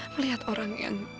melihat orang yang